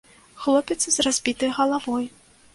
Хлопец з разбітай галавой.